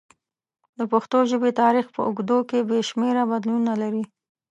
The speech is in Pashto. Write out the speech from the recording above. د پښتو ژبې تاریخ په اوږدو کې بې شمېره بدلونونه لري.